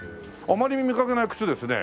あまり見かけない靴ですね。